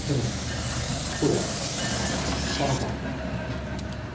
おやあなたも？